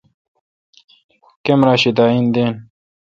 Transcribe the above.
کمرا شی داین دین۔